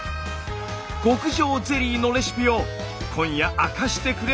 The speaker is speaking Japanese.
極上ゼリーのレシピを今夜明かしてくれるというんです！